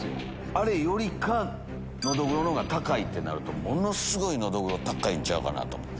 あれよりかノドグロの方が高いってなるとものすごいノドグロ高いんちゃうかなと思って。